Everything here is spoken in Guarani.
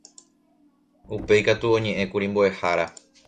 Upéikatu oñe'ẽkuri mbo'ehára.